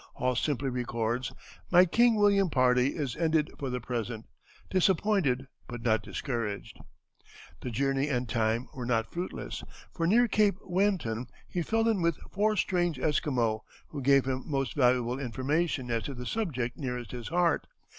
Hall simply records: "My King William party is ended for the present; disappointed but not discouraged." The journey and time were not fruitless, for near Cape Weynton he fell in with four strange Esquimaux, who gave him most valuable information as to the subject nearest his heart.